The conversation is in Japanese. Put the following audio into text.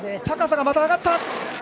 高さがまた上がった。